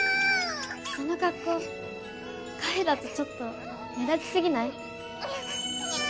その恰好カフェだとちょっと目立ち過ぎない？